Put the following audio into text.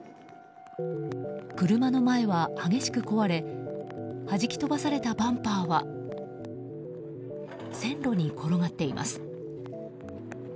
車の前は激しく壊れはじき飛ばされたバンパーは線路に転がっています。